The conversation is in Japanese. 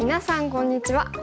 こんにちは。